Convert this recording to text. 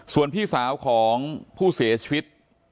ส่วนพี่สาวของผู้เสียชีวิต